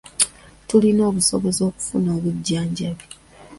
Tulina obusobozi okufuna obujjanjabi.